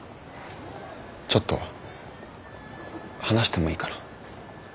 ちょっと話してもいいかな？